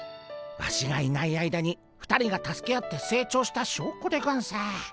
ワシがいない間に２人が助け合って成長したしょうこでゴンス。